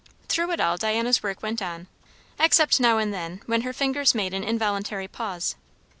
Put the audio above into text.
Through it all Diana's work went on, except now and then when her fingers made an involuntary pause.